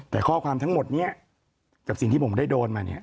แต่ข้อความทั้งหมดนี้กับสิ่งที่ผมได้โดนมาเนี่ย